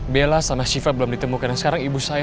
bella sama sifat belum ditemukan dan sekarang ibu saya